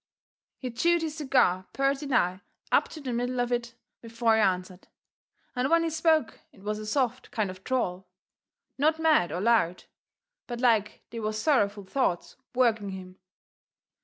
He chewed his cigar purty nigh up to the middle of it before he answered, and when he spoke it was a soft kind of a drawl not mad or loud but like they was sorrowful thoughts working in him.